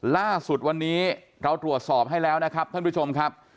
ล่าสุดวันนี้เราตรวจสอบให้แล้วนะครับท่านผู้ชมครับ